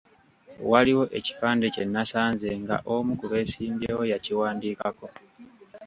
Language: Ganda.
Waliwo ekipande kye nasanze nga omu ku beesimbyewo yakiwandiikako.